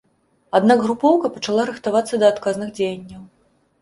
Аднак групоўка пачала рыхтавацца да адказных дзеянняў.